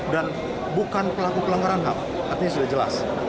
dan bukan pelaku pelanggaran hak artinya sudah jelas